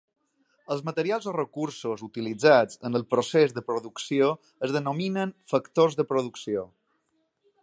Els materials o recursos utilitzats en el procés de producció es denominen factors de producció.